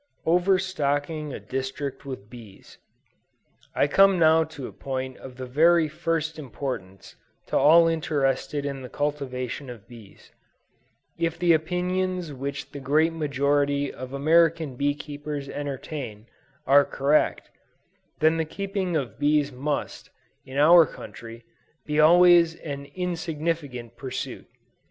OVERSTOCKING A DISTRICT WITH BEES. I come now to a point of the very first importance to all interested in the cultivation of bees. If the opinions which the great majority of American bee keepers entertain, are correct, then the keeping of bees must, in our country, be always an insignificant pursuit.